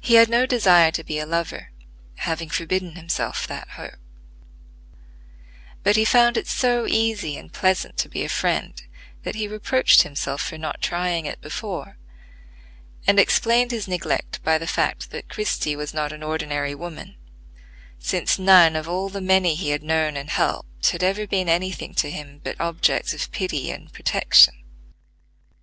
He had no desire to be a lover, having forbidden himself that hope; but he found it so easy and pleasant to be a friend that he reproached himself for not trying it before; and explained his neglect by the fact that Christie was not an ordinary woman, since none of all the many he had known and helped, had ever been any thing to him but objects of pity and protection.